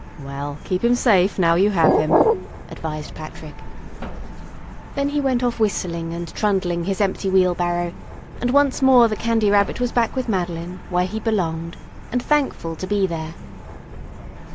"Well, keep him safe, now you have him," advised Patrick. Then he went off whistling and trundling his empty wheelbarrow, and once more the Candy Rabbit was back with Madeline, where he belonged, and thankful to be there.